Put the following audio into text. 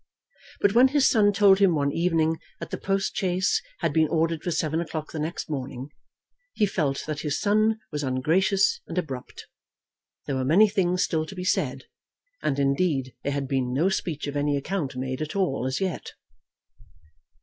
But when his son told him one evening that the post chaise had been ordered for seven o'clock the next morning, he felt that his son was ungracious and abrupt. There were many things still to be said, and indeed there had been no speech of any account made at all as yet.